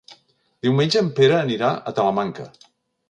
Diumenge en Pere anirà a Talamanca.